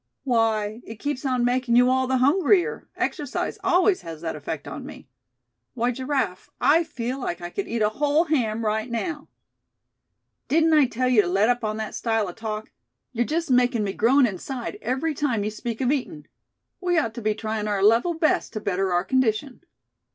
"Why, it keeps on making you all the hungrier; exercise always has that effect on me. Why, Giraffe, I feel like I could eat a whole ham right now." "Didn't I tell you to let up on that style of talk; you're just making me groan inside every time you speak of eatin'. We ought to be tryin' our level best to better our condition."